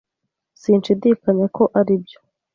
Sinshidikanya ko aribyo.